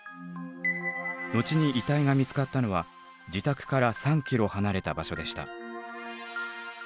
後に遺体が見つかったのは自宅から３ｋｍ離れた場所でした。